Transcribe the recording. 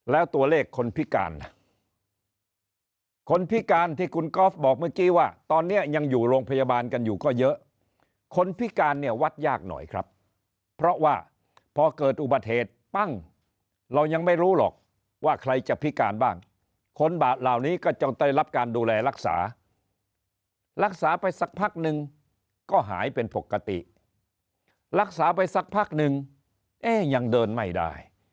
แล้วตัวเลขคนพิการคนพิการที่คุณกอล์ฟบอกเมื่อกี้ว่าตอนนี้ยังอยู่โรงพยาบาลกันอยู่ก็เยอะคนพิการเนี่ยวัดยากหน่อยครับเพราะว่าพอเกิดอุบัติเหตุปั้งเรายังไม่รู้หรอกว่าใครจะพิการบ้างคนบาดเหล่านี้ก็ต้องได้รับการดูแลรักษารักษาไปสักพักนึงก็หายเป็นปกติรักษาไปสักพักนึงเอ๊ยังเดินไม่ได้